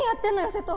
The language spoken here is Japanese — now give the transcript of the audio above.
瀬戸